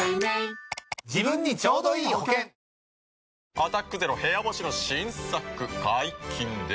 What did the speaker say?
「アタックＺＥＲＯ部屋干し」の新作解禁です。